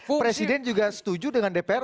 presiden juga setuju dengan dpr